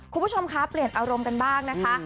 คุณผู้ชมคะเปลี่ยนอารมณ์กันบ้างนะคะ